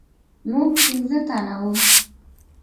موږ پنځه تنه وو.